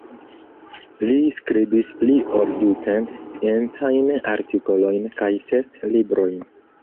Li skribis pli ol du cent sciencajn artikolojn kaj ses librojn.